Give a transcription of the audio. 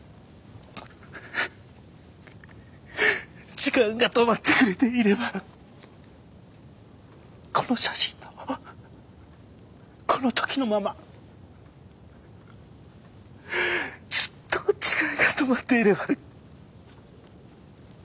時間が止まってくれていればこの写真のこの時のままずっと時間が止まっていれば。